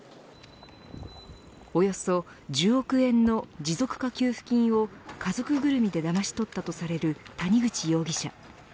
およそ１０億円の持続化給付金を家族ぐるみでだまし取ったとされる谷口容疑者。